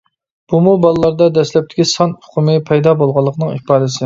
بۇمۇ بالىلاردا دەسلەپتىكى سان ئۇقۇمى پەيدا بولغانلىقىنىڭ ئىپادىسى.